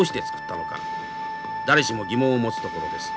誰しも疑問を持つところです。